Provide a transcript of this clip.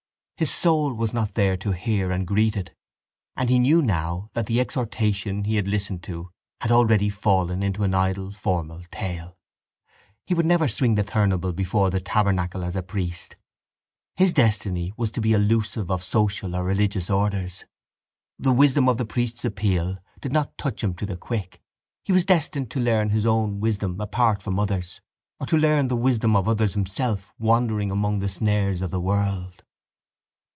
His soul was not there to hear and greet it and he knew now that the exhortation he had listened to had already fallen into an idle formal tale. He would never swing the thurible before the tabernacle as priest. His destiny was to be elusive of social or religious orders. The wisdom of the priest's appeal did not touch him to the quick. He was destined to learn his own wisdom apart from others or to learn the wisdom of others himself wandering among the snares of the world.